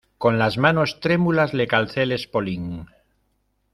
con las manos trémulas le calcé el espolín.